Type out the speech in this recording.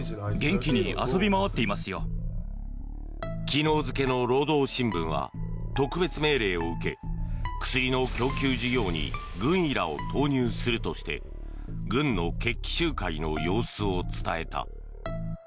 昨日付の労働新聞は特別命令を受け薬の供給事業に軍医らを投入するとして軍の決起集会の様子を伝えた。